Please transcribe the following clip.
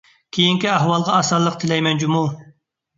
كېيىنكى ئەھۋالىغا ئاسانلىق تىلەيمەن جۇمۇ!